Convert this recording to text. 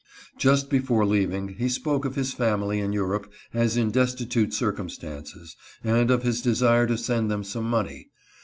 Just before leaving, he spoke of his family in Europe as in destitute circumstances, and of his desire to send them some money.